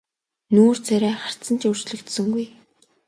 Нүүр царай харц нь ч өөрчлөгдсөнгүй.